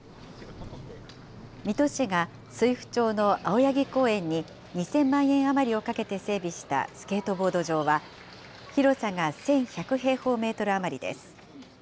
水戸市が水府町の青柳公園に、２０００万円余りをかけて整備したスケートボード場は、広さが１１００平方メートル余りです。